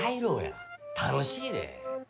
楽しいで。